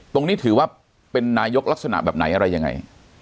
ตรงนี้ถือว่าเป็นนายกลักษณะแบบไหนอะไรยังไง